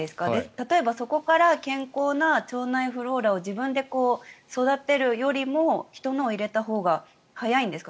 例えば、そこから健康な腸内フローラを自分で育てるよりも人のを入れたほうが早いんですか。